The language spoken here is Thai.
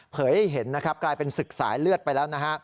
ให้เห็นนะครับกลายเป็นศึกสายเลือดไปแล้วนะฮะ